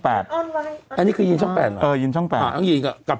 อันนี้คือยีนช่องแปดเหรอเออยีนช่อง๘ต้องยีนกับ